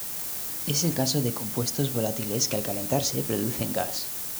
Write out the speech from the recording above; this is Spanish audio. Es el caso de compuestos volátiles que al calentarse producen gas.